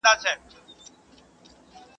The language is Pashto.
فلسطین په اور کي سوځي !.